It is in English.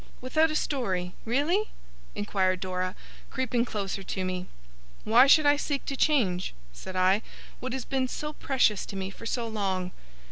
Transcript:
'Without a story really?' inquired Dora, creeping closer to me. 'Why should I seek to change,' said I, 'what has been so precious to me for so long!